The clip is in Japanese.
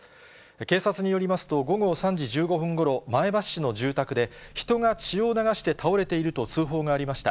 警察によりますと、午後３時１５分ごろ、前橋市の住宅で、人が血を流して倒れていると通報がありました。